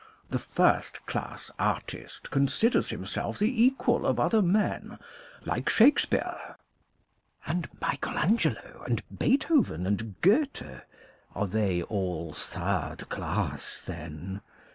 " The first class artist considers himself the equal of other men, like Shakespeare." And Michael Angelo? And Beethoven? And Goethe? Are they 243 244 CRITICAL STUDIES all third class then